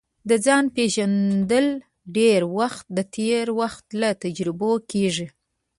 د ځان پېژندل ډېری وخت د تېر وخت له تجربو کیږي